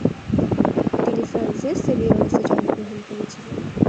তিনি ফ্রান্সের সেলিয়রেসে জন্মগ্রহণ করেছিলেন।